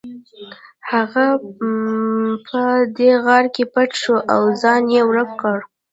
هغه په دې غار کې پټ شو او ځان یې ورک کړ